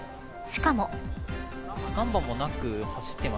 しかも。